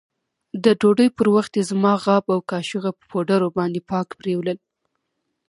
د ډوډۍ پر وخت يې زما غاب او کاشوغه په پوډرو باندې پاک پرېولل.